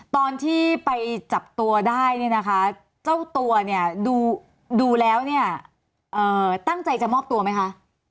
ตอนที่ไปจับตัวได้เนี่ยนะคะเจ้าตัวเนี่ยดูแล้วเนี่ยตั้งใจจะมอบตัวไหมคะ